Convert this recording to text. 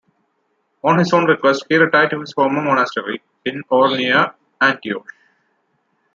On his own request, he retired to his former monastery, in or near Antioch.